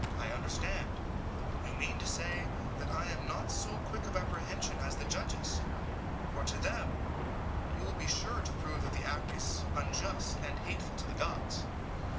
SOCRATES: I understand; you mean to say that I am not so quick of apprehension as the judges: for to them you will be sure to prove that the act is unjust, and hateful to the gods.